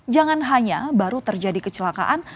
jangan hanya baru terjadi kecelakaan